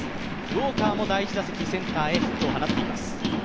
ウォーカーも第１打席、センターへヒットを放っています。